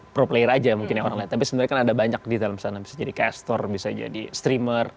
pro player aja mungkin ya orang lihat tapi sebenarnya kan ada banyak di dalam sana bisa jadi caster bisa jadi streamer